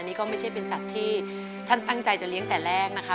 นี่ก็ไม่ใช่เป็นสัตว์ที่ท่านตั้งใจจะเลี้ยงแต่แรกนะคะ